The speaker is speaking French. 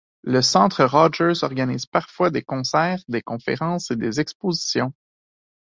Le Centre Rogers organise parfois des concerts, des conférences et des expositions.